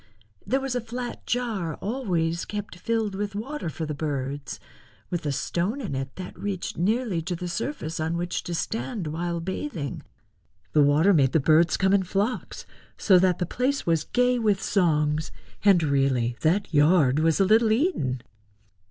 There was a flat jar always kept filled with water for the birds, with a stone in it that reached nearly to the surface on which to stand while bathing. The water made the birds come in flocks, so that the place was gay with songs, and really that yard was a little Eden.